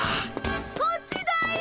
こっちだよ！